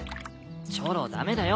チョロ駄目だよ。